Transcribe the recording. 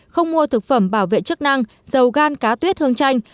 không mua thực phẩm bảo vệ chức năng dầu gan cá tuyết hương tranh